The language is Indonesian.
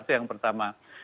itu yang pertama